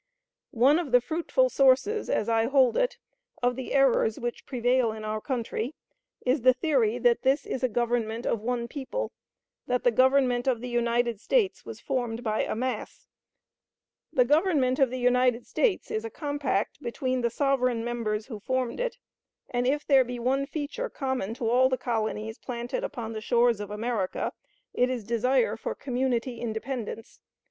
One of the fruitful sources, as I hold it, of the errors which prevail in our country, is the theory that this is a Government of one people; that the Government of the United States was formed by a mass. The Government of the United States is a compact between the sovereign members who formed it; and, if there be one feature common to all the colonies planted upon the shores of America, it is desire for community independence.